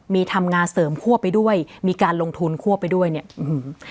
มีทำงานเสริมคั่วไปด้วยมีการลงทุนคั่วไปด้วยเนี้ยอืม